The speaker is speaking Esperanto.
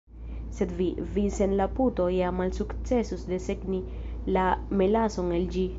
Sed vi, vi sen la puto ja malsukcesus desegni la melason el ĝi!